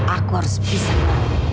aku harus pisah